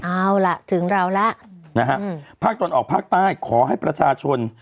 เอาล่ะถึงเราแล้วนะฮะภาคตะวันออกภาคใต้ขอให้ประชาชน